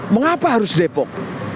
mengapa harus depok